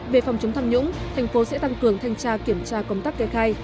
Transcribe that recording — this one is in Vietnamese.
về phòng chống tham nhũng thành phố sẽ tăng cường thanh tra kiểm tra công tác kê khai